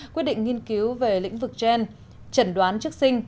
quyết định nghiên cứu về lĩnh vực gen trần đoán trước sinh